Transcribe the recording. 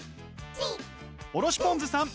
おろしぽんづさん